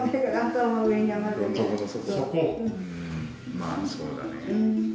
まぁそうだね。